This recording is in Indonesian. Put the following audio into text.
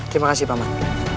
terima kasih pak man